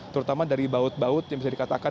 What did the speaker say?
terutama dari baut baut yang bisa dikatakan